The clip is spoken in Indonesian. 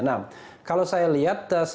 nah kalau saya lihat